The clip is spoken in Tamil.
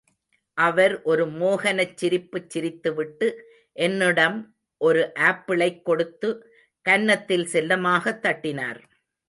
அவர் ஒரு மோகனச் சிரிப்புச் சிரித்துவிட்டு என்னிடம் ஒரு ஆப்பிளைக் கொடுத்து கன்னத்தில் செல்லமாகத் தட்டினார்.